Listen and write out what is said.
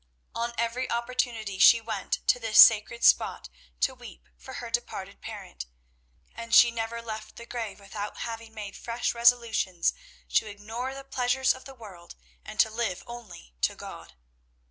On every opportunity she went to this sacred spot to weep for her departed parent, and she never left the grave without having made fresh resolutions to ignore the pleasures of the world, and to live only to God.